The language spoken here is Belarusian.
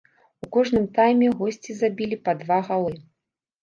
У кожным тайме госці забілі па два галы.